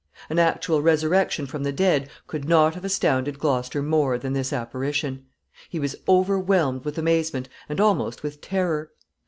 An actual resurrection from the dead could not have astounded Gloucester more than this apparition. He was overwhelmed with amazement and almost with terror.